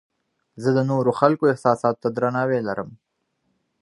زه د نورو خلکو احساساتو ته درناوی لرم.